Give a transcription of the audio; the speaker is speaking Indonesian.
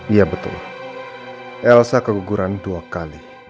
iya betul elsa keguguran dua kali